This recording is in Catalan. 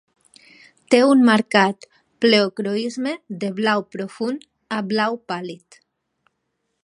Té un marcat pleocroisme de blau profund a blau pàl·lid.